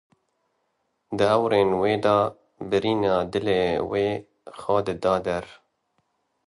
Di awirên wê de birîna dilê wê xwe dida der.